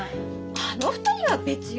あの２人は別よ。